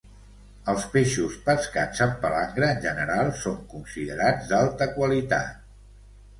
Els peixos pescats amb palangre en general són considerats d'alta qualitat.